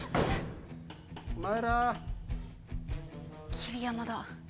桐山だ。